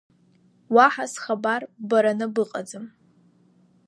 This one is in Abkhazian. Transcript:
Уаҳа схабар ббараны быҟаӡам…